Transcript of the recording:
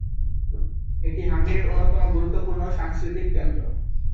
এটি হাঙ্গেরির অন্যতম গুরুত্বপূর্ণ সাংস্কৃতিক কেন্দ্র।